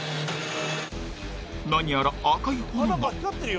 何やら、赤い炎が。